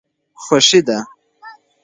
خوښي ده.